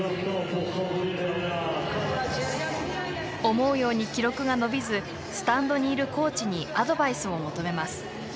思うように記録が伸びずスタンドにいるコーチにアドバイスを求めます。